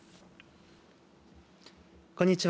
こんにちは。